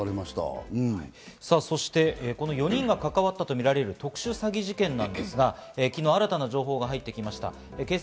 さあ、そしてこの４人が関わったとみられる特殊詐欺事件なんですが、昨日、新たな情報が入ってきました。